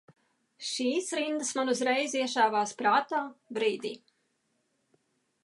Šīs rindas man uzreiz iešāvās prātā brīdī.